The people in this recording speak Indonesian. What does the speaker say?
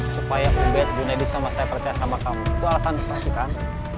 supaya ubed junaid dan saya percaya sama kamu itu alasan palsu kan